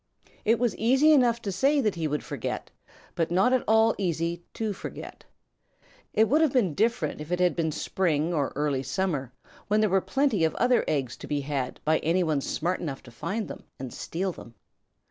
It was easy enough to say that he would forget, but not at all easy to forget. It would have been different if it had been spring or early summer, when there were plenty of other eggs to be had by any one smart enough to find them and steal them.